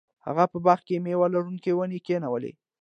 هغه په باغ کې میوه لرونکې ونې کینولې.